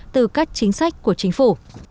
từ các chính sách của chính phủ